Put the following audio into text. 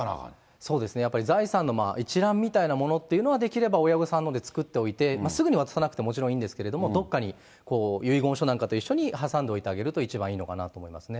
そうですね、やっぱり財産の一覧みたいなものっていうのは、できれば親御さんのほうで作っておいて、すぐに渡さなくてもちろんいいんですけれども、どっかに遺言書なんかと一緒に挟んでおいてあげると一番いいのかなと思いますね。